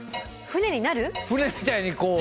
船みたいにこう。